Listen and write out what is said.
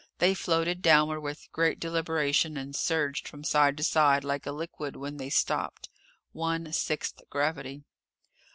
They floated downward with great deliberation and surged from side to side like a liquid when they stopped. One sixth gravity.